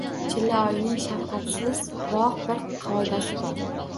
Chillak o‘yinining shafqatsizroq bir qoidasi bor.